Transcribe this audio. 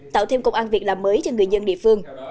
tạo thêm công an việc làm mới cho người dân địa phương